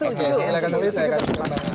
oke saya akan setuju